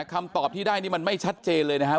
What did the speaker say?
คำตอบที่ได้นี่มันไม่ชัดเจนเลยนะครับ